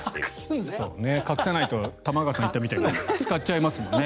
隠さないと玉川さんが言ったみたいに使っちゃいますよね。